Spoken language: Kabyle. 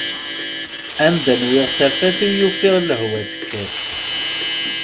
Anda nwiɣ tafat i yufiɣ lehwa tekkat!